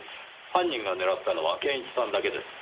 犯人が狙ったのは健一さんだけです。